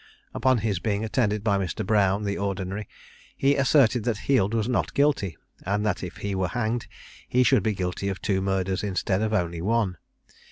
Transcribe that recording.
Upon his being attended by Mr. Brown, the Ordinary, he asserted that Heald was not guilty, and that if he were hanged, he should be guilty of two murders instead of only one.